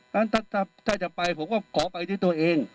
ถ้าจะไปผมก็ขอไปที่ตัวเอง